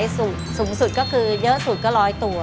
สูงสุดก็คือเยอะสุดก็๑๐๐ตัว